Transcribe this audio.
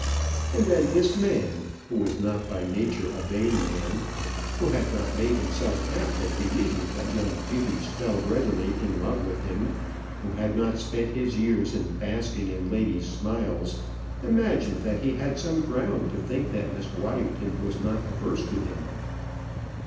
And then this man, who was not by nature a vain man, who had not made himself apt at believing that young beauties fell readily in love with him, who had not spent his years in basking in ladies' smiles, imagined that he had some ground to think that Miss Waddington was not averse to him.